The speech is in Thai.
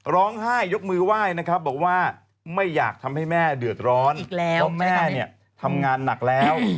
ร้องไห้ยกมือไหว้นะครับบอกว่าไม่อยากทำให้แม่เดือดร้อนเพราะแม่เนี่ยทำงานหนักแล้ว